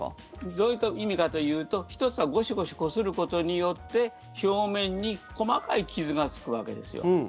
どういう意味かというと１つはゴシゴシこすることによって表面に細かい傷がつくわけですよ。